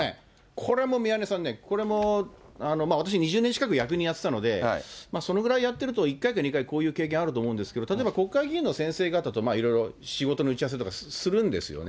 これも宮根さんね、これも私、２０年近く役人やってたので、そのぐらいやってると、１回か２回、こういう経験あると思うんですけど、例えば国会議員の先生方といろいろ仕事の打ち合わせとかするんですよね。